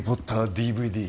ＤＶＤ